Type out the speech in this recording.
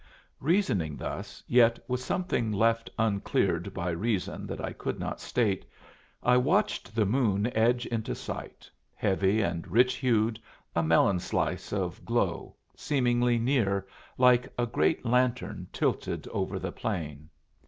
Reasoning thus, yet with something left uncleared by reason that I could not state, I watched the moon edge into sight, heavy and rich hued, a melon slice of glow, seemingly near, like a great lantern tilted over the plain.